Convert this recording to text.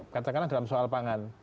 katakanlah dalam soal pangan